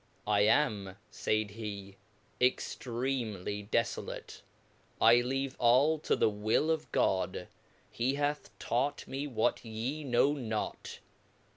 I am (^faid he j extreamly defolate, I leave all to the will of God ; he hath taught me what ye know not.